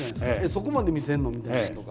そこまで見せるの？みたいなのとか。